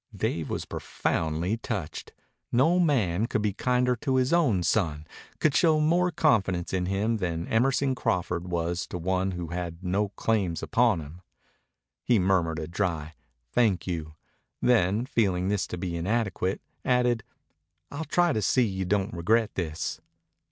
Dave was profoundly touched. No man could be kinder to his own son, could show more confidence in him, than Emerson Crawford was to one who had no claims upon him. He murmured a dry "Thank you"; then, feeling this to be inadequate, added, "I'll try to see you don't regret this."